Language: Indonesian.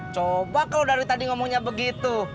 coba kalau dari tadi ngomongnya begitu